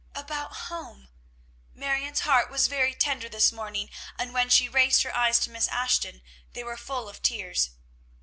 "About home!" Marion's heart was very tender this morning, and when she raised her eyes to Miss Ashton, they were full of tears.